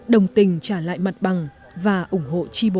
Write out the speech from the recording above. đồng tình trả lại mặt bằng và ủng hộ tri bộ